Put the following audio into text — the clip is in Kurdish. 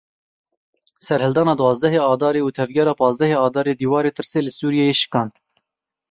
Serhildana duwazdehê Adarê û tevgera panzdehê Adarê dîwarê tirsê li Sûriyeyê şikand.